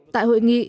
tại hội nghị